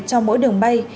trong mỗi đường bay